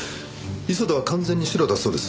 磯田は完全にシロだそうです。